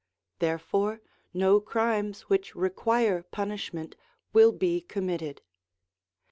Therefore no crimes which require punish ment will be committed.